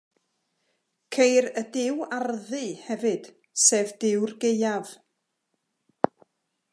Ceir y Duw Arddu, hefyd, sef Duw'r Gaeaf.